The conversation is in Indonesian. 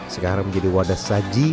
sekarang menjadi wadah saji